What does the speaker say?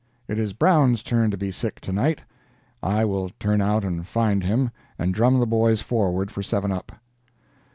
It is Brown's turn to be sick to night; I will turn out and find him, and drum the boys forward for seven up.